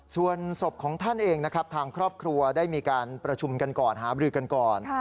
ส่วนศพของท่านเองนะครับทางครอบครัวได้มีการประชุมกันก่อนหาบรือกันก่อน